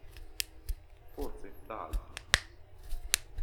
Forse, da altri.